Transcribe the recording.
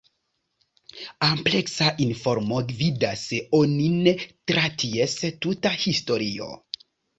Ampleksa informo gvidas onin tra ties tuta historio.